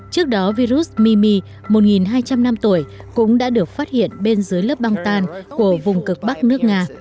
trước đó virus mimi một hai trăm linh năm tuổi cũng đã được phát hiện bên dưới lớp băng tan của vùng cực bắc nước nga